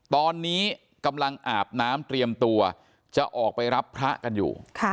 ตอนนี้กำลังอาบน้ำเตรียมตัวจะออกไปรับพระกันอยู่